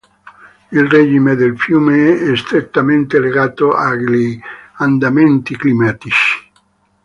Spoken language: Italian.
Il regime del fiume è strettamente legato agli andamenti climatici.